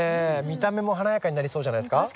見た目も華やかになりそうじゃないですか。